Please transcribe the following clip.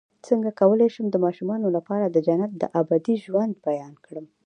څنګه کولی شم د ماشومانو لپاره د جنت د ابدي ژوند بیان کړم